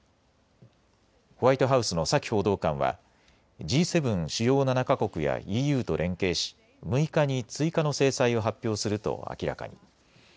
ホワイトハウスのサキ報道官はＧ７・主要７か国やＥＵと連携し６日に追加の制裁を発表すると明らかに。